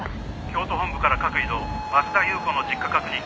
「京都本部から各移動」「増田裕子の実家確認。